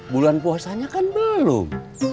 bulan puasanya kan belum